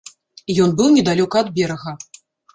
Ён быў недалёка ад берага.